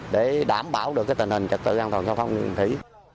để đảm bảo được tình hình trật tự an toàn giao thông đường thủy